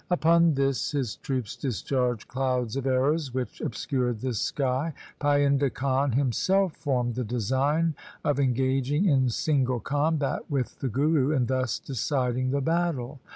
Upon this his troops discharged clouds of arrows, which obscured the sky. Painda Khan himself formed the design of engaging in single combat with the Guru, and thus deciding the battle.